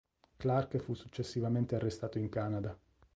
Clark fu successivamente arrestato in Canada.